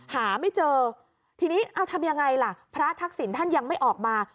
หาไม่เจอทีนี้เอาทำยังไงล่ะพระทักษิณท่านยังไม่ออกมา